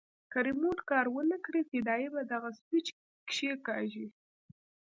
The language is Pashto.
که ريموټ کار ونه کړي فدايي به دغه سوېچ کښېکاږي.